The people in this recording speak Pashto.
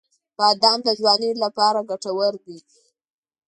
• بادام د ځوانۍ لپاره ګټور دی.